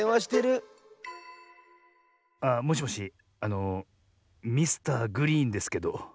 あもしもしあのミスターグリーンですけど。